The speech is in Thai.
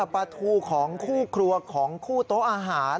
ปลาทูของคู่ครัวของคู่โต๊ะอาหาร